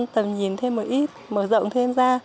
tầm nhìn thêm một ít mở rộng thêm ra